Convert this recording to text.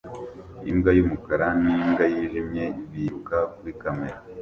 Imbwa y'umukara n'imbwa yijimye biruka kuri kamera